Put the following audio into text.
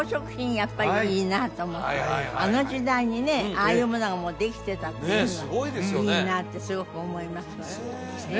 やっぱりいいなと思ってあの時代にねああいうものがもうできてたっていうのはいいなってすごく思いますそうですね